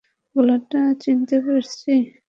গলাটা চিনতে পেরেছি।